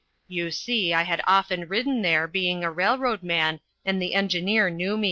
You see, I had often ridden there, being a railroad man, and the engineer knew me.